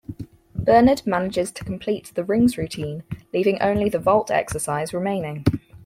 Bernard manages to complete the rings routine, leaving only the vault exercise remaining.